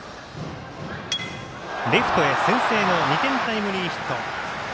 レフトへ先制の２点タイムリーヒット。